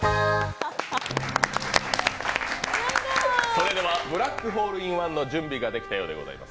それでは「ブラックホールインワン」の準備ができたようでございます。